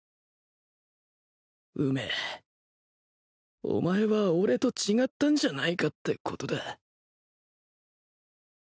梅お前は俺と違ったんじゃないかってことだ